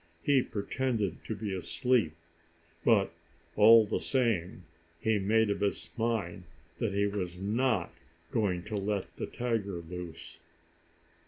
He pretended to be asleep. But, all the same, he made up his mind that he was not going to let the tiger loose.